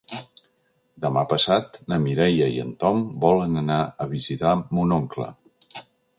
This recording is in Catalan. Demà passat na Mireia i en Tom volen anar a visitar mon oncle.